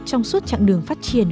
trong suốt trạng đường phát triển